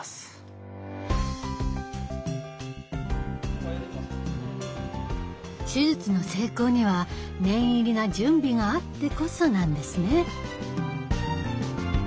これ血管から手術の成功には念入りな準備があってこそなんですね。